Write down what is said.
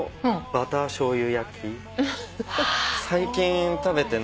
バターしょうゆ？